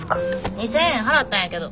２，０００円払ったんやけど。